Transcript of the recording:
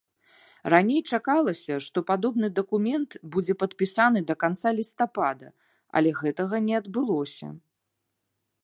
Раней чакалася, што падобны дакумент будзе падпісаны да канца лістапада, але гэтага не адбылося.